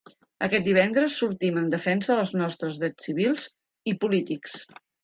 Aquest divendres sortim en defensa dels nostres drets civils i polítics!